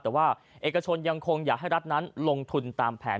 แต่ว่าเอกชนยังคงอยากให้รัฐนั้นลงทุนตามแผน